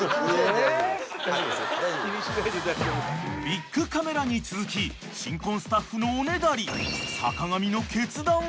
［ビックカメラに続き新婚スタッフのおねだり］